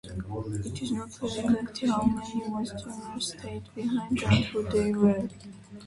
It is not clear exactly how many Westerners stayed behind and who they were.